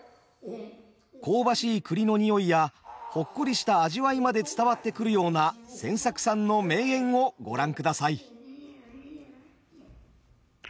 香ばしい栗の匂いやほっこりした味わいまで伝わってくるような千作さんの名演をご覧ください。